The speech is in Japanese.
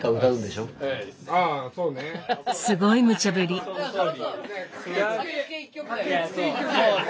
すごいむちゃ振り。